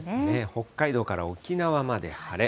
北海道から沖縄まで晴れ。